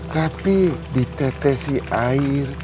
tapi ditetesi air